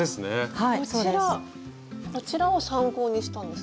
はいそうです。こちらを参考にしたんですね。